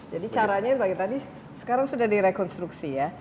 jadi caranya seperti tadi sekarang sudah direkonstruksi ya